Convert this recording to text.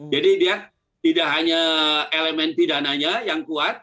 dia tidak hanya elemen pidananya yang kuat